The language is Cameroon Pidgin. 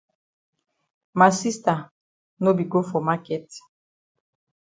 Ma sista no be go for maket.